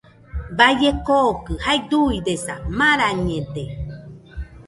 Baie kookɨ jae duidesa, marañede